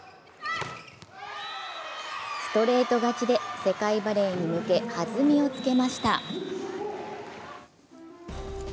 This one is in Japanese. ストレート勝ちで世界バレーに向け、弾みをつけました。